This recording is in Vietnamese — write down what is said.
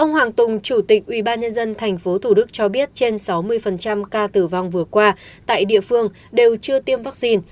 ông hoàng tùng chủ tịch ubnd tp hcm cho biết trên sáu mươi ca tử vong vừa qua tại địa phương đều chưa tiêm vaccine